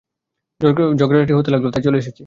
ঝগড়াকাটি হতে লাগল, তাই চলে এসেছি।